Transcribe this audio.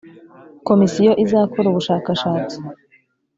komisiyo izakora ubushakashatsi